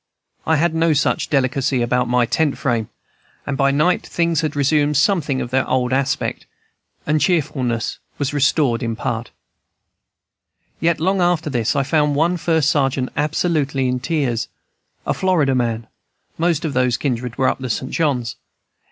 I had no such delicacy about my tent frame, and by night things had resumed something of their old aspect, and cheerfulness was in part restored. Yet long after this I found one first sergeant absolutely in tears, a Florida man, most of whose kindred were up the St. John's.